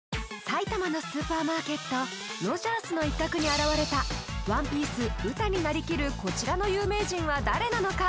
埼玉のスーパーマーケットロヂャースの一角に現れた「ＯＮＥＰＩＥＣＥ」ウタになりきるこちらの有名人は誰なのか？